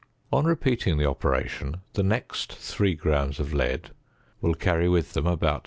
On repeating the operation, the next 3 grams of lead will carry with them about 0.